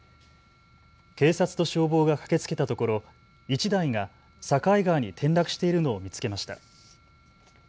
警察と消防が駆けつけたところ１台が境川に転落しているのを見つけました。